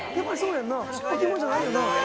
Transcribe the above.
置き物じゃないよな？